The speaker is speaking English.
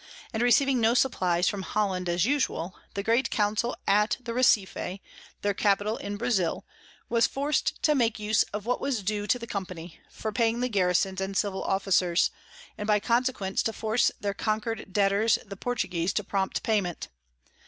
and receiving no Supplies from Holland as usual, the great Council at the Receife, their Capital in Brazile, was forc'd to make use of what was due to the Company, for paying the Garisons and Civil Officers, and by consequence to force their conquer'd Debtors the Portuguese to prompt Payment.